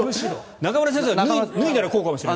中村先生も脱いだらこうかもしれない。